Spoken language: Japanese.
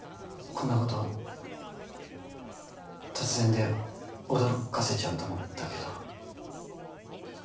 こんなこと突然で驚かせちゃうと思ったけど。